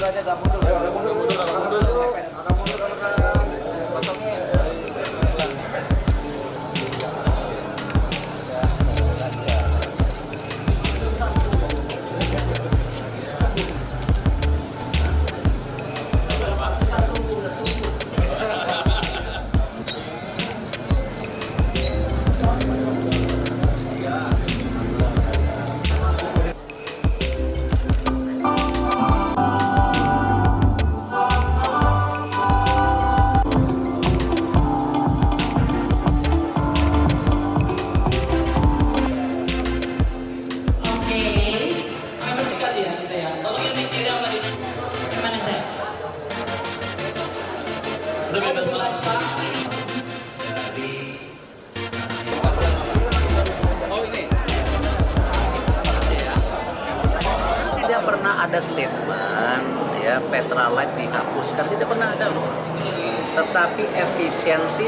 tidak pernah ada statement ya petralight dihapuskan tidak pernah ada loh tetapi efisiensi